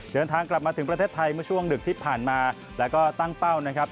เดินทางกลับมาถึงประเทศไทยเมื่อช่วงดึกที่ผ่านมาแล้วก็ตั้งเป้านะครับ